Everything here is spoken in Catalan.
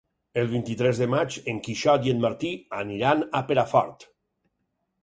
El vint-i-tres de maig en Quixot i en Martí aniran a Perafort.